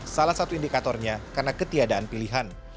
salah satu indikatornya karena ketiadaan pilihan